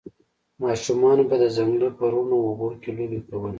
ماشومانو به د ځنګل په روڼو اوبو کې لوبې کولې